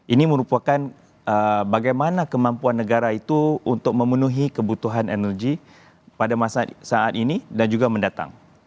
ini merupakan bagaimana kemampuan negara itu untuk memenuhi kebutuhan energi pada saat ini dan juga mendatang